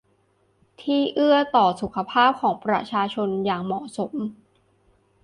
ที่เอื้อต่อสุขภาพของประชาชนอย่างเหมาะสม